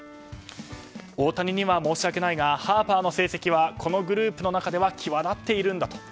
大谷には申し訳ないがハーパーの成績はこのグループの中では際立っているんだと。